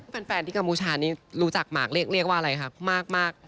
แฟนที่กัมพูชานี้รู้จักหมากเรียกว่าอะไรคะมาก